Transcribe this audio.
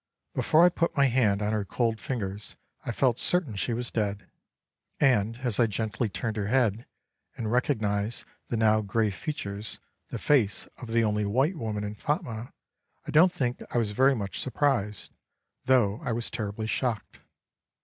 Before I put my hand on her cold fingers I felt certain she was dead, and as I gently turned her head and recognised in the now grey features the face of the only white woman in Phatmah, I don't think I was very much surprised, though I was terribly shocked.